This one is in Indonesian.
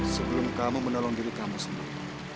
sebelum kamu menolong diri kamu sendiri